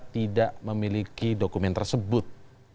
tidak memiliki dokumen tersebut